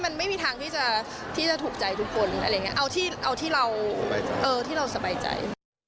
มันไม่มีทางที่จะถูกใจทุกคนเอาที่เราสบายใจ